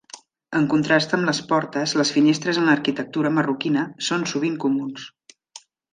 En contrast amb les portes, les finestres en l'arquitectura marroquina són sovint comuns.